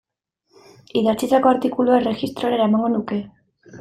Idatzitako artikulua erregistrora eramango nuke.